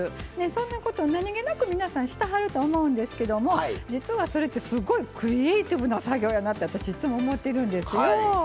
そんなことを、皆さんさりげなくしてはると思うんですけど実は、それってすごいクリエーティブな作業だなって私、いつも思っているんですよ。